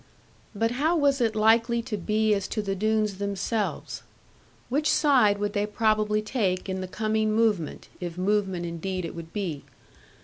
But how was it likely to be as to the Doones themselves? Which side would they probably take in the coming movement, if movement indeed it would be?